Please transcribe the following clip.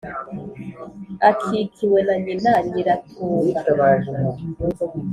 akikiwe na nyina Nyiratunga